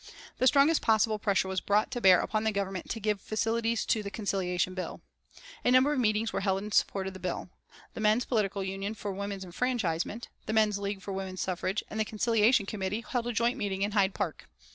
The strongest possible pressure was brought to bear upon the Government to give facilities to the Conciliation Bill. A number of meetings were held in support of the bill. The Men's Political Union for Women's Enfranchisement, the Men's League for Women's Suffrage and the Conciliation Committee held a joint meeting in Hyde Park.